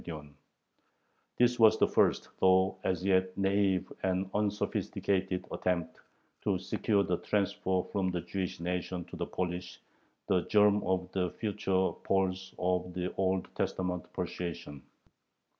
This was the first, though as yet naïve and unsophisticated, attempt to secure the "transfer" from the Jewish nation to the Polish, the germ of the future "Poles of the Old Testament persuasion."